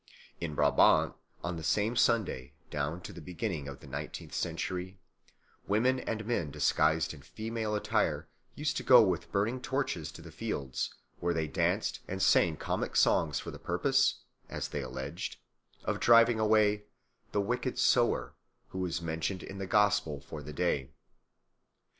In Brabant on the same Sunday, down to the beginning of the nineteenth century, women and men disguised in female attire used to go with burning torches to the fields, where they danced and sang comic songs for the purpose, as they alleged, of driving away "the wicked sower," who is mentioned in the Gospel for the day.